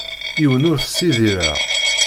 Yiwen ur t-ssidireɣ.